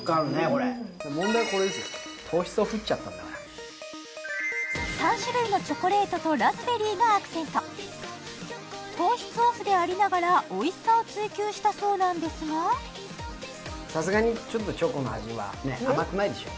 これ問題はこれですよね糖質オフっちゃったんだから３種類のチョコレートとラズベリーがアクセント糖質オフでありながらおいしさを追求したそうなんですがさすがにちょっとチョコの味はね甘くないでしょ